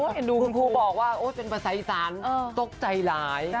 เห็นดูคุณผู้บอกว่าเป็นประสายสารตกใจหลาย